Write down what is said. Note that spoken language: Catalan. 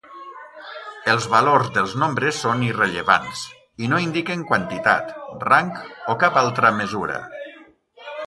Els valors dels nombres són irrellevants, i no indiquen quantitat, rang o cap altra mesura.